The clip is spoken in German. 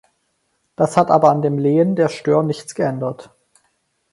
Das hat aber an dem Lehen der Stoer nichts geändert.